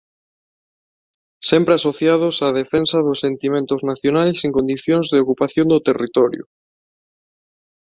Sempre asociados á defensa dos sentimentos nacionais en condicións de ocupación do territorio.